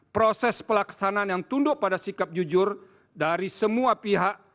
proses pelaksanaan yang tunduk pada sikap jujur dari semua pihak